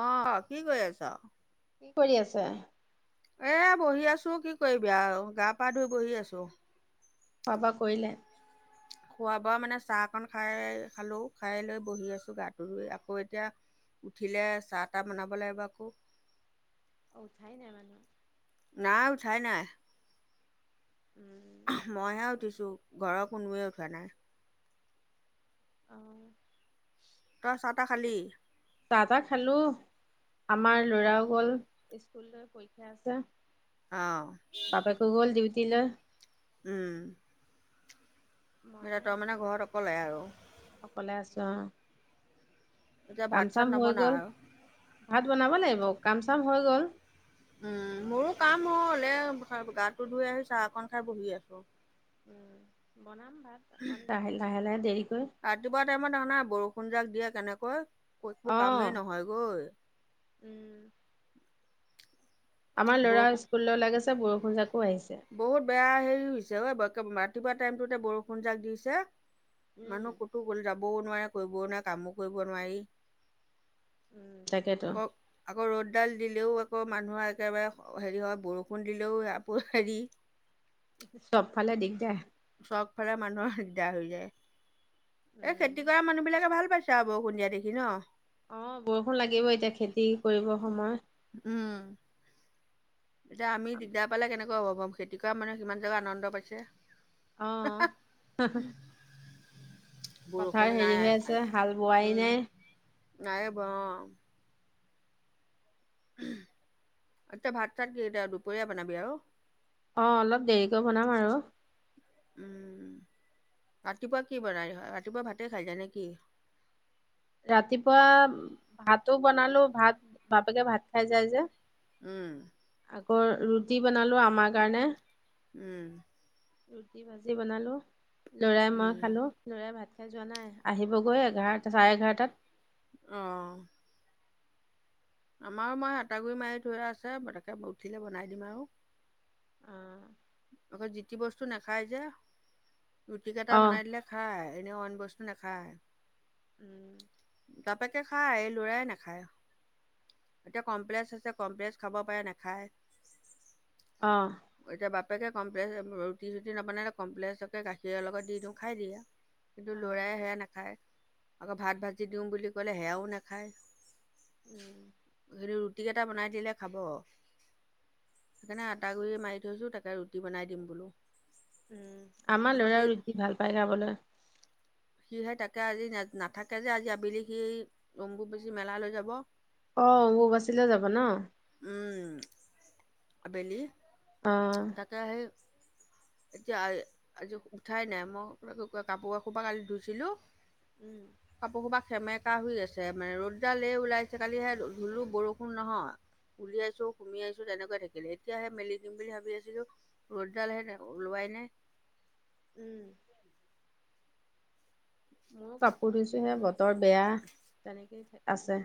অ, কি কৰি আছ? কি কৰি আছে? এ বহি আছো। কি কৰিবি আৰু গা -পা ধুই বহি আছো। খোৱা-বোৱা কৰিলে? খোৱা-বোৱা মানে, চাহকণ খাই, খালোঁ। খাই লৈ বহি আছোঁ গাটোধুই, আকৌ এতিয়া উঠিলে চাহ- তাহ বনাব লাগিব আকৌ। অঁ, উঠাই নাই মানুহ? নাই উঠাই নাই। উম, অহ্‌, মইহে উঠিছো ঘৰৰ কোনোৱে উঠা নাই। অঁ তই চাহ-তাহ খালী? খালোঁ। আমাৰ ল'ৰাও গ'ল স্কুললৈ পৰীক্ষা আছে। আঁ অ ছিলে। ওঁ মইহে আছোঁ। অকলে আৰু অকলে আছো অঁ। এতিয়া ভাত চাত কামচাম হৈ নবনাও গল আৰু। ভাত বনাব লাগিব কামচাম হৈ গ'ল। উম মোৰো কাম হলে গাটো ধুই আহি চাহকন খাই বহি আছো। উম বনাম ভাত অকমান লাহে লাহে লাহে দেৰিকৈ ষোন যাক দিয়ে কেনেকৈ ক একো কামেই অ'। নহয়গৈ উম। আমাৰ ল'ৰা স্কুললৈ ওলাই গৈছে বৰষুণ জাক বহুত বেয়া হেৰি হৈছে ঐ ৰাতিপুৱা টাইমটোতে বৰষুণ যাক দিছে। উম, মানুহ ক'তো গ'লে যাবও নোৱাৰে কৰিবও নোৱাৰে কামো কৰিব নোৱাৰি। উম। তাকেতো, আকৌ আকৌ ৰ'দডাল দিলেও আকৌ মানুহৰ একেবাৰে হেৰি হয় বৰষুণ দিলেও আকৌ হেৰি চপ ফালে দিগদাৰ চব ফালে মানুহৰ দিগদাৰ হৈ যায় এই উম, খেতি কৰা মানুহ বিলাকে ভাল পাইছে। চা বৰষুণ দিয়া দেখি ন আহ বৰষুণ লাগিব এতিয়া খেতি কৰিবৰ সময় উম এতিয়া আমি দিগদাৰ পালে কেনেকে হ'ব খেতি কৰা মানুহে কিমান যে বা আনন্দ পাইছে। আহঁ। বৰষুণ নাই আছে আজি হাল বোৱাই উম নাই নাই ব অ এতিয়া ভাত চাত কি এতিয়া দুপৰীয়া বনাবি আৰু অ অলপ দেৰিকৈ বনাম আৰু উম ৰাতিপুৱা কি বনাই ৰাতিপুৱা ভাতেই খাই যায় নে কি ৰাতিপুৱা ভাতো বনালো ভাত বাপেকে ভাত খাই যায় যে উম আকৌ ৰুটি বনালো আমাৰ কাৰণে উম ৰুটি ভাজি বনালো লৰাই মই উম খালো লৰাই ভাত এয়া যোৱা নাই আহিবগৈ এঘাৰটা চাৰে এঘাৰটাত আহঁ আমাৰো মই আতাগুৰি মাৰি থৈ আছে তাকে উঠিলে বনাই দিম আৰু অ আকৌ যিতি বস্তু নাখায় যে ৰুটি কেইটা অ বনাই দিলে খাই এনেইও অন বস্তু নাখায়। উম। বাপেকে খায় এই লৰাই নাখায়। এতিয়া কমপ্লেক্স আছে কমপ্লেক্স খাব পাৰে নাখায় অহ এতিয়া বাপেকে কমপ্লেচ সেবোৰ ৰুটি চোটি নবনালে কমপ্লেচকে গাখীৰ লগত দি দিওঁ খাই দিয়ে কিন্তু অ ল'ৰাই সেয়া নাখায় আকৌ ভাত ভাজি দিওঁ বুলি ক'লে সেয়াও নাখায় উম কিন্তু ৰুটি কেইটা বনাই দিলে খাব সেইকাৰণে আটা গুৰি মাৰি থৈছো তাক তে ৰুটি বনাই দিম বোলো উম আমাৰ আকৌ সি লৰাও ৰুটি ভাল পায় খাবলৈ সিহে তাকে আজি ন নাথাকে যে আজি আবেলি সি অম্বুবাচী মেলা লৈ যাব অঁ অম্বুবাচী লে যাব নহ উম, আবেলি অ তাকে আহেই এতিয়া আজি উঠাই নাই মই কাপোৰ এখোপা কালি ধুইছিলো উম বুবা সেমেকা হৈ আছে মানে ৰ'দডালেই ওলাইছে কালি সে ধুলো বৰষুণ নহয় [unintelligible] উলিয়াইছো সুমিয়াইছো তেনেকুৱা থাকিলে এতিয়াহে মেলি দিম বুলি ভাবি আছো ৰ'দডাল সে ওলোৱাই নাই উম ময় কাপোৰ ধুইছোহে বতৰ বেয়া তেনেকেই আছে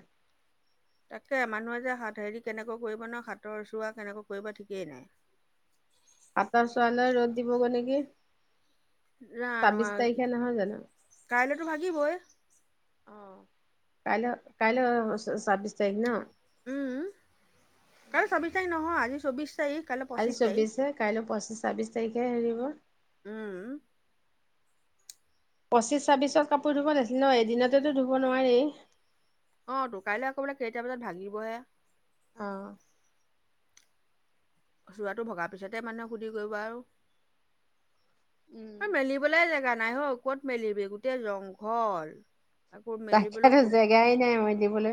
তাকে মানুহে যে হাত হেৰি কেনেকা কৰিব ন হাতৰ চোৱা কেনেকা কৰিব ঠিকেই নাই [inaudible] আটা চোৱালা ৰ'দ দিব গলে কি জানোৱাৰু, কি কাইলৈতো ভাগিবই। কাইলৈ কাইলৈ ছাব্বিছ তাৰিখ ন? উম, কাললৈ ছাব্বিছ তাৰিখ নহয় আজি চৌবিশ তাৰিখ। কাইলৈ আজি পঁচিশ তাৰিখ চৌবিশ হে কাইলৈ পঁচিশ ছাব্বিশ তাৰিখে হেৰিব। উম পঁচিশ, ছাব্বিশত কাপোৰ ধুব নাছিলে ন এদিনতেতো ধুব নোৱাৰি। অ তু কাইলৈ আকৌ বোলে চাৰিটা বজাত ভাঙিবহে। আহ যোৱাটো ভগা পিছতে মানুহে সুধি কৰিব আও। [unintelligible] মেলিবলৈ জেগা নাই হ, কত মেলিবি গোটেই জংঘল। আকৌ তাকে মেলিবলৈ টো সু জেগাই নাই মেলিবলে।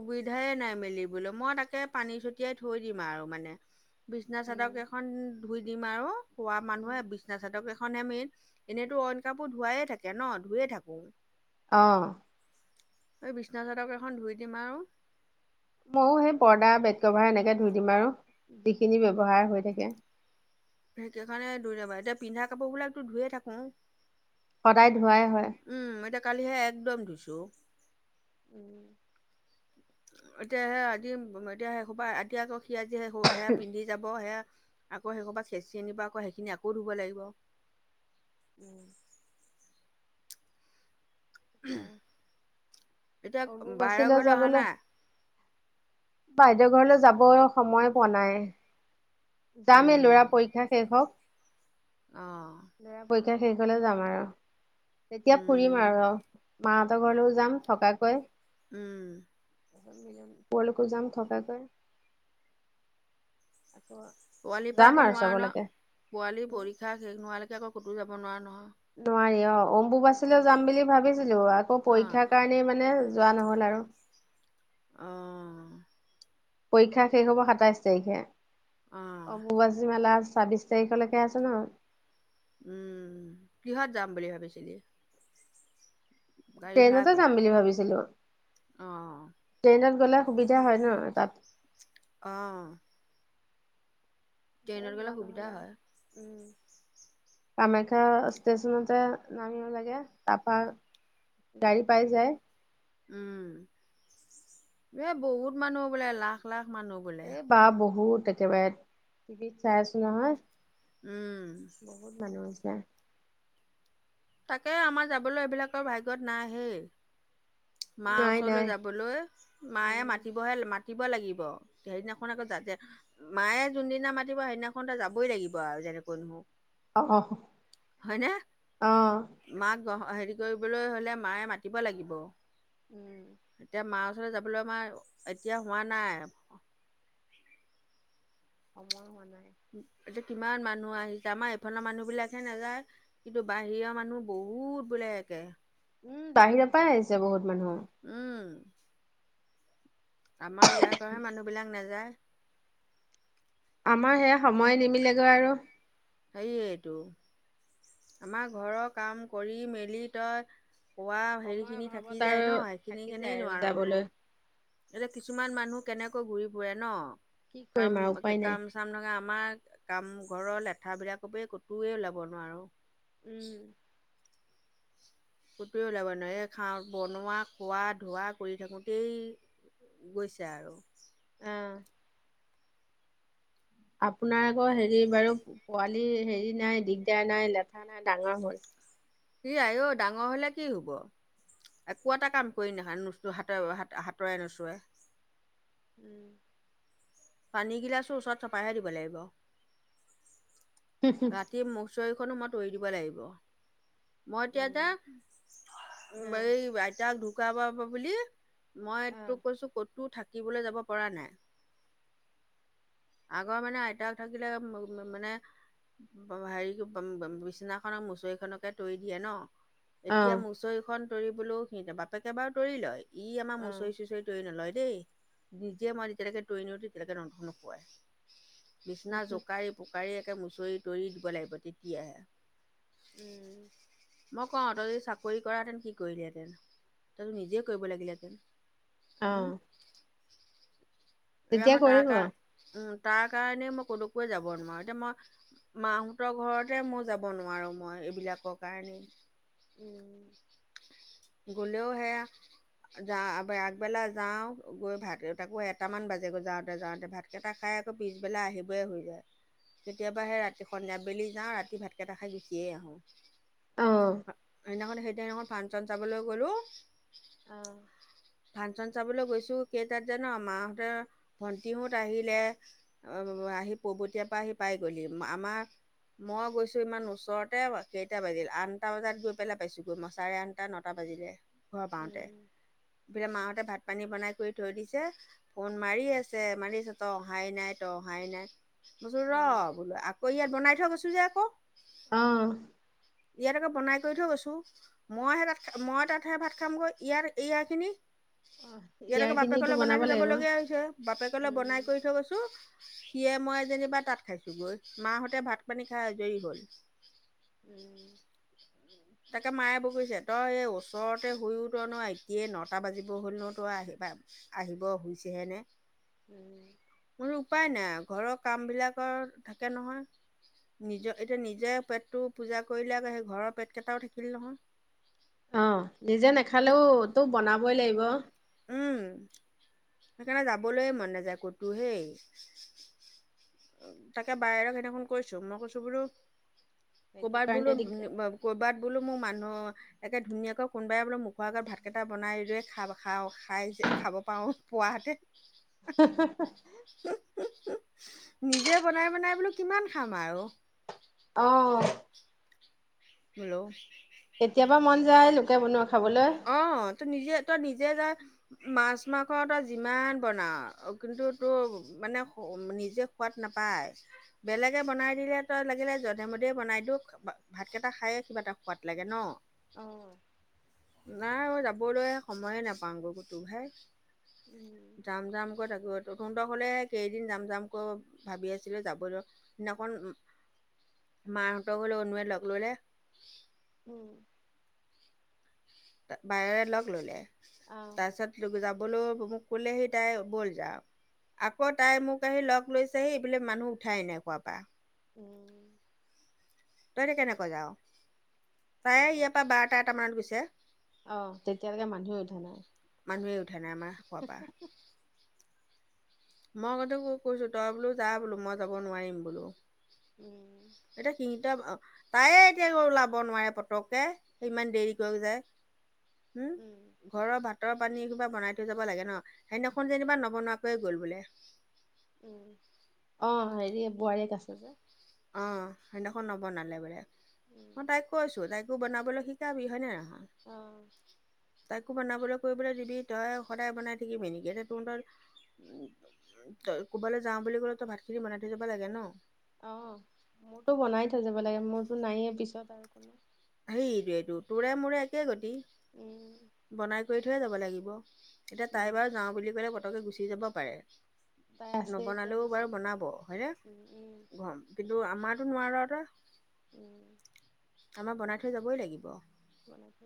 সুবিধাই নাই মেলিবলৈ মই তাকে পানী ছটিয়াই থৈ দিম আৰু মানে। বিছনা চাদক এখন ধুই দিম আৰু হোৱা মানুহে বিছনা চাদকেখনেই মেইন। [unintelligible] এনেইতো অইন কাপো ধুৱাই থাকে ন ধুয়ে থাকো। অহ এই বিছনা চাদক কেইখন ধুই দিম আও। ময়ো সেই পৰ্দা বেট কভাৰ এনেকে ধুই দিম আও, যিখিনি ব্যৱহাৰ হৈ থাকে। হেইটো কাৰণে ধুইলবা এতিয়া পিন্ধা কাপোৰ বিলাকতো ধুয়ে থাকো। সদায় ধোৱাই হয়। উম এতিয়া কালিহে একদম ধূইছো। উম এতিয়া সে আজি এতিয়া এসোবা আদি আকৌ সি আজি সেয়া পিন্ধি যাব সেয়া। [unintelligible] আকৌ সেই হূপা খেচেৰি নিব আকৌ সেইখিনি আকৌ ধুব লাগিব। [unintelligible] উম এতিয়া অমু বাৰে বাছিলে ঘৰলৈ অহা যাবলৈ নাই বাইদেউ ঘৰলৈ যাব সময় পোৱা নাই। যামেই উম লৰা পৰীক্ষা শেষ হওক। অ লৰা পৰীক্ষা শেষহলে যাম আৰু। তেতিয়া ফুৰিম উম আৰু মাহঁতৰ ঘৰলৈও যাম থকাকৈ। উম পুৱালিকো যাম থকাকৈ। [unintelligible] আকৌ পোৱালিৰ পৰা যাম আকৌ আৰু নোৱাৰা ন, চবলৈকে পোৱালি পৰীক্ষা শেষ নোহোৱালৈকে আকৌ ক'তো যাব নোৱাৰা নহয়। নোৱাৰি অ অম্বুবাচীলৈ যাম বুলি ভাবিছিলো আকৌ অ পৰীক্ষাৰ কাৰণেই মানে যোৱা নহল আৰু। অহ পৰীক্ষা শেষ হব সাতাইশ তাৰিখে, অ অম্বুবাচী মেলাচ [unintelligible] ছাব্বিশ তাৰিখলৈকে আছে ন? উম, কিহত যাম বুলি ভাবিছিলি? গাড়ী ভাড়া ট্ৰেইনতে কৰি যাম বুলি ভাবিছিলো, অ ট্ৰেইনত গ'লে সুবিধা হয় ন তাত। অহ', সেই যোৱা সুবিধা নহলে, হয় উম। কামাখ্যা ষ্টেশচনতে নামিব লাগে, তাৰপা গাড়ী পাই যায়। উম, এ বহুত মানুহ বোলে লাখ - লাখ। মানুহ বোলে এ বা বহুত একেবাৰে টিভিত চাই আছো নহয়। উম বহুত মানুহ আছে। তাকে আমাৰ যাবলৈ এইবিলাকৰ ভাগ্যত নাই হেই। মা নাই ওচৰলৈ নাই যাবলৈ, মায়ে উম মাতিবহে মা মাতিব লাগিব, সেইদিনাখন আকৌ যা মায়ে যোনদিনা মাতিব সেইদিনাখন যাবই লাগিব আৰু। যেনে কোন হওক। অহ - অহ - অহ। মাক হেৰি কৰিবলৈ হলে মায়ে মাতিব লাগিব। উম এতিয়া মাৰ যাবলৈ আমাৰ এতিয়া হোৱা নাই। সময় হোৱা নাই। উম, এতি। কিমান মানুহ আহিছে আমাৰ এইফনৰ মানুহ বিলাকহে নাযায় কিন্তু বাহিৰৰ মানুহ বহুত বোলে একে। উম, বাহিৰৰ পৰাাই আহিছে বহুত। মানুহ উম আমাৰ ইয়াৰ পৰাহে মানুহ বিলাক নাযায়। আমাৰ সেয়া সময় নিমিলেগৈ আৰু। সেইটো আমাৰ ঘৰৰ কাম কৰি মেলি তই। কোৱা হেৰি সময়ৰ খিনি থাকি অভাৱত যায় আৰু ন সেইখিনি থাকি যায় কেনেই আৰু নোৱাৰো ক'তো। যাবলৈ এতিয়া কিছুমান মানুহ কেনেকৈ ঘূৰি ফুৰে ন কি কৰিম কাম আৰু উপায় - নাই কাম চাম নঙা। আমাৰ কামঘৰৰ লেঠাবিলাকৰব ক'তোৱে ওলাব নোৱাৰো। উম কতোৱে ওলাব নহ এই খাও বনোৱা খোৱা ধোৱা কৰি থাকোতেই। গৈছে আৰু। অ', আপোনাৰ আকৌ হেৰি বাৰু পোৱালি হেৰি নাই দিগদাৰ নাই লেঠা নাই ডাঙৰ হল। ই আঔ ডাঙৰ হলে কি হব। একো এটা কাম কৰি নখয় নোচো হাতৰ হাতৰে নোচোৱে। উম পানীগিলাচৰ ওচৰত চপাইহে দিব লাগিব। ৰাতি মুচৰিখনো মই তৰি দিব লাগিব। মই এতিয়া এ এই আইতাক ঢুকাব বুলি। মইটো কৈছো ক'তো থাকিবলৈ যাব পৰা নাই। আগৰ মানে আইতাক থাকিলে মানে। হেৰি বিছনাখনক মুচৰি খনকে তৰি দিয়ে ন। অ এতিয়া অ মুচৰিখন তৌৰিবলৈও সিহ বাপেকে বাৰু তৌৰি লয়। ই আমাৰ মুচৰি চুচৰি ট্ৰেইন লয় দেই নিজে মই তেতিয়ৈকে ট্ৰেইন। তেতিনেকে ৰন্ধন নোপোৱায় বিচনা জোকাই। চকাৰীয়ে একে মচৰি তৰি দিব লাগিব তেতিয়াহে। উম মই কও তই য চাকৰি কৰাহেতেন কি কৰিলিহেতেন তইত নিজে কৰিব লাগিলেহেতেন। অহ। এম কা অ উম। [unintelligible] তাৰ কাৰণে মই ক'লোকৈ যাব নোৱাৰো এতিয়া মই মাহঁতৰ ঘৰতে মই যাব নোৱাৰো মই। [unintelligible] এইবিলাকৰ কাৰণেই। উম। গলেও সেয়া যা আগবেলা যাও গৈ ভউতাকো এটা। [unintelligible] কেইটামান বাজেগৈ যাওঁতে যাওঁতে ভাতকেইটা খাই আকৌ পিছবেলা আহিবই হৈ যায়। কেতিয়াবা সেই ৰাতি সন্ধিয়া বেলি যাওঁ ৰাতি ভাতকেইটা খাই গুচিয়েই আহোঁ। অ সেইদিনাখন সেইদিনাখন ফাংচন চাবলৈ গলো। অহ। চাবলৈ গৈছো কেই তাত জানো আমাৰ। ভণ্টিহুঁত আহিলে আহি পৰ্বতীয়াৰ পৰা আহি পাই গ'লহি আমাৰ। [unintelligible] মই গৈছো ইমান ওচৰতে কেইটা বাজিল আঠটা বজাত গৈ পেলাই পাইছোগৈ মই চাৰে আঠটা নটা বাজিলে। [unintelligible] ঘৰ পাওতে এইফিলে মাহঁতে ভাত পানী বনাই কৰি থৈ দিছে। [unintelligible] ফোন মাৰি আছে মাৰি আছে তই অহাই নাই তই অহাই নাই মই কৈছোঁ ৰ বোলো আকৌ ইয়াত বনাই থৈ গৈছো যে আকৌ অ ইয়াত আকৌ বনাই কৰি থৈ গৈছো মই সে ভাত মই তাতহে ভাত খামগৈ ইয়াত এইয়াখিনি [unintelligible] অ ইয়াৰ খিনিটো বনাব যাব লাগিব। লগীয়া হৈছে বাপেকলে বনাই কৰি থৈ গৈছো সিয়ে মই যেনিবা তাত খাইছো গৈ মাহঁতে ভাত পানী খাই আজৰি হ'ল [inaudible] তাকে মায় বকিছে তই এই ওচৰতে শুয়ও তই ন এতিয় নটা বাজিব হ'ল ন তই আহিবা [unintelligible] আহিব হৈছেহে নে মোৰো উপায় নাই ঘৰৰ কামবিলাকৰ থাকে নহয় নিজৰ এতিয়া নিজে পেটটো পূজা কৰিলে আ সেই ঘৰৰ পেট কেইটাও থাকিল নহয় অ নিজে নাখালেও তো বনাবই লাগিব উম সেইকাৰণে যাবলৈ মন নাযায় ক'তো হেই তাকে বাইৰক সেইদিনাখন কৈছো মই কৈছোঁ বোলো সেইটো কৰ'বাত কাৰণে বোলো দিগদাৰ। কৰ'বাত বোলো মোৰ মানুহ একে ধুনীয়াকৈ কোনোবাই বোলে মুখৰ আগত ভাতকেইটা বনাই লৈ খাব [unintelligible] খাওঁ খাই যে খাব পাও পোৱা হেতেন হী হী হী [unintelligible] নিজে বনাই বনাই বোলো কিমান খাম আৰু অ হেল্ল' কেতিয়াবা মন যায় লোকে বনোৱা খাবলৈ। অ তোৰ নিজে তই নিজে যা মাছ মাংস তই যিমান বনাও কিন্তু তোৰ মানে নিজে সোৱাদ না বেলেগে বনাই দিলে তই লাগিলে যধে মধে বনাই দি ভাতকেইটা খায়ে কিবা সোৱাত লাগে ন অ নাই যাবলৈ সময়ে নাপাওঁগৈ কতো ভাই উম যাম যাম কৈ থাকো তহঁতৰ ঘৰলে কেইদিন যাম যাম কৈ ভাবি আছিলো যাবলৈ সেইদিনাখন মাহঁতৰ ঘৰলে অনোৱে লগ ললে উম বাইৰে লগ ললে আহ তাৰপিছত যাব বোলো মোক ক'লেহি তাই ব'ল যাও আকৌ তাই মোক আহি লগ লৈছেহি এইবোলে মানুহ উঠাই নাই শুৱা পৰা [unintelligible] উম তই এতিয়া কেনেকৈ যাও। তাকে অ, তেতিয়ালৈকে মানুহে উঠা নাই। মানুহে উঠে নাই আমাৰ শুৱা পা মই আগতে কৈছো তই বোলো যা বোলো মই যাব নোৱাৰিম বোলো। উম এতিয়া সি তাইয়ে এতিয়া গৈ ওলাব নোৱাৰে পতককে ইমান দেৰি কৈ যায়। হম উম ঘৰৰ ভাত ভাতৰ পানী কিবা বনাই থৈ যাব লাগে ন সেইদিনাখন যেনিবা নবনোৱাকৈয়ে গল বোলে। উম, অ, হেৰি বোৱাৰীয়েক আছে যে অ, সেইদিনাখন নবনালে বোলে উম মই তাইক কৈছো তাইকো বনাবলৈ শিকাবি হয়নে নহয়। অ', তাইকো বনাবলৈ কৰিবলৈ দিবি তই সদায় বনাই থাকিবি এতিয়া তহতৰ। ত' কৰবালৈ যাও বুলি ক'লে ত ভাতখিনি বনাই থৈ যাব লাগে ন। অ, মোৰতো বনাই থৈ যাব লাগে মোৰতো নাইয়ে পিছত আৰু কোনো সেইটো এইটো তোৰে মোৰে একে গতি। উম বনাই কৰি থৈে যাব লাগিব এতিয়া তাই উম বাৰু যাও বুলি কলে পতকে গুচি যাব পাৰে। তাই আছে এতিয়া নবনালেও পিছত বাৰু বনাব হয়নে উম উম গম কিন্তু আমাৰ। নোৱাৰ আৰু। উম আমাৰ বনাই থৈ যাবই লাগিব। মানে চে।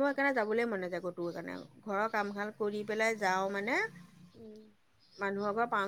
মোৰ সেইকাৰণে যাবলৈ মন নাযায় কতো সেই কাৰণে ঘৰৰ কামশাল কৰি পেলাই যাও মানে। উম মানুহৰ পৰা।